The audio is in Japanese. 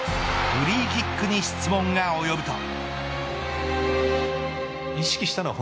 フリーキックに質問が及ぶと。